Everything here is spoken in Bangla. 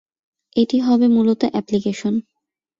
এটি হবে মূলত অ্যাপ্লিকেশন।